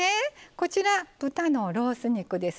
こちら豚のロース肉です。